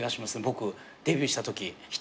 僕デビューしたとき。